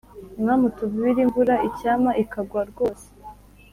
Mwami utuvubire imvura icyampa ikagwa rwose